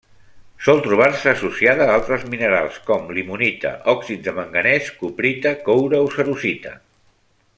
Sol trobar-se associada a altres minerals com: limonita, òxids de manganès, cuprita, coure o cerussita.